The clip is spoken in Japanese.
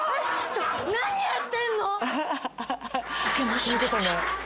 何やってんの！？